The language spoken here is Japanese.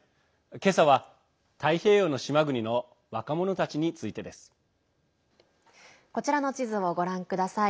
今朝は太平洋の島国の若者たちについてです。こちらの地図をご覧ください。